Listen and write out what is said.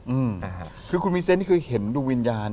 อืมคือคุณมีเส้นที่เคยเห็นรูวิญญาณ